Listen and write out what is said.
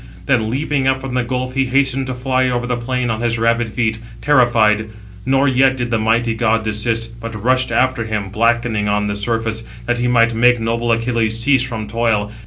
Then leaping up from the gulf, he hastened to fly over the plain on his rapid feet, terrified. Nor yet did the mighty god desist, but rushed after him, blackening on the surface, that he might make noble Achilles cease from toil, and avert destruction from the Trojans.